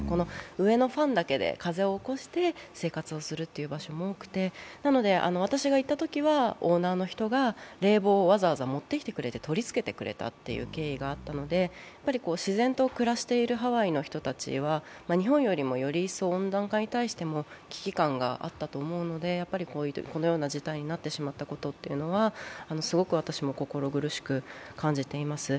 上のファンだけで風を動かして生活をすることも多くてなので私がいたときは、オーナーの人が冷房をわざわざ持ってきてくれて取り付けてくれたという経緯があったので自然と暮らしているハワイの人たちは日本よりも、より一層、温暖化に対しては危機感があったと思うのでこのような事態になってしまったことというのはすごく私も心苦しく感じています。